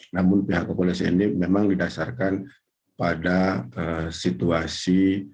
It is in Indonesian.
namun pihak kepolisian ini memang didasarkan pada situasi